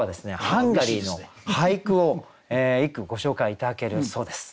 ハンガリーの俳句を一句ご紹介頂けるそうです。